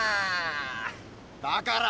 だから！